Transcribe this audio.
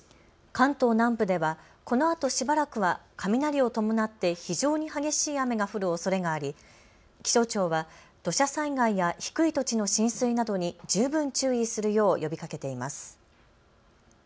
関東南部ではこのあとしばらくは雷を伴って非常に激しい雨が降るおそれがあり気象庁は土砂災害や低い土地の浸水などに十分注意するよう呼びかけています。